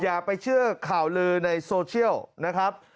อย่าไปเชื่อข่าวลือในโซเชียลนะครับ